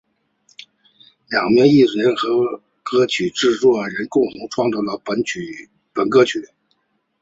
两名艺人和歌曲的制作人共同创作了本歌曲。